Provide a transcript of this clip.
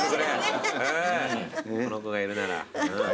うんこの子がいるなら。